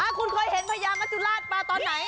คุณเคยเห็นพญามัจจุราชมาตอนไหน